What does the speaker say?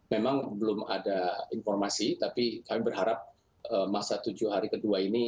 memang belum ada informasi tapi kami berharap masa tujuh hari kedua ini